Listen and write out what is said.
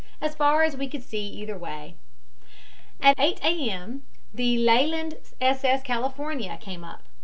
as far as we could see either way. "At 8 A. M. the Leyland S. S. California came up.